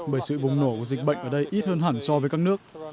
bởi sự bùng nổ của dịch bệnh ở đây ít hơn hẳn so với các nước